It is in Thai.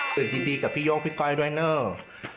ยินดีกับพี่โย่งพี่ก้อยด้วยเนอะ